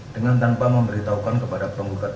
dengan tanpa memberitahukan kepada penggugat